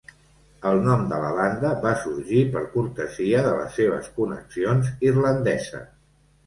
El nom de la banda va sorgir per cortesia de les seves connexions irlandeses.